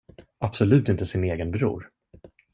Absolut inte sin egen bror.